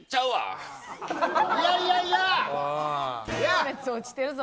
後列落ちてるぞ